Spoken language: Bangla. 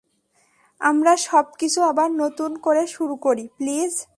আমরা সবকিছু আবার নতুন করে শুরু করি, প্লিজ?